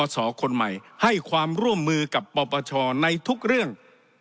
สอคนใหม่ให้ความร่วมมือกับปปชในทุกเรื่อง